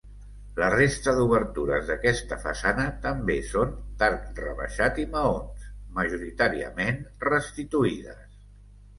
La resta d'obertures d'aquesta façana també són d'arc rebaixat i maons, majoritàriament restituïdes.